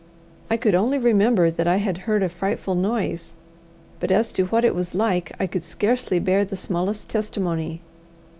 I could only remember that I had heard a frightful noise, but as to what it was like I could scarcely bear the smallest testimony.